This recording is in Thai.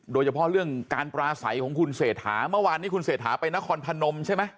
โดยเฉพาะเรื่องการปราศัยของคุณเศรษฐาเมื่อวานนี้คุณเศรษฐาไปนครพนมใช่ไหม